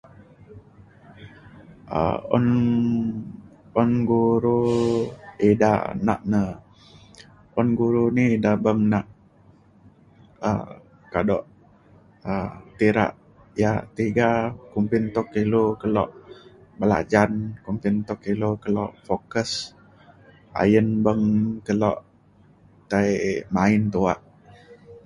um un un guru ida nak na un guru ni ida beng nak um kado tira yak tiga kumbin tuk ilu kelo belajan kumbin tuk ilu kelo fokus. ayen beng kelo tai main tuak.